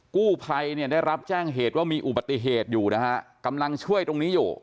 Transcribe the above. กู้ภัยเนี่ยได้รับแจ้งเหตุว่ามีอุบัติเหตุอยู่นะฮะกำลังช่วยตรงนี้อยู่